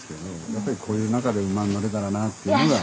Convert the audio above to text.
やっぱりこういう中で馬に乗れたらなっていうのが。